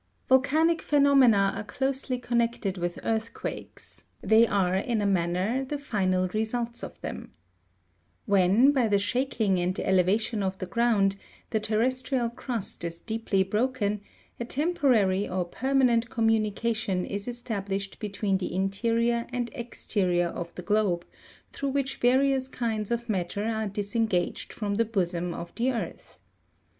Volcanic pheno mena are closely connected with earthquakes; they are, in a manner, the final results of them. When, by the shaking and ele vation of the ground, the terrestrial crust is deeply broken, a tem porary or permanent communication is established between the interior and exterior of the globe, through which various kinds of matter are disengaged from the bosom of the earth.